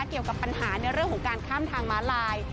เกี่ยวกับปัญหาในเรื่องของการข้ามทางม้าลาย